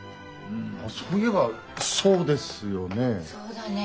そういえばそうですよね。